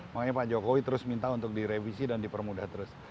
makanya pak jokowi terus minta untuk direvisi dan dipermudah terus